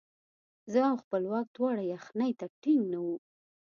زه او خپلواک دواړه یخنۍ ته ټینګ نه وو.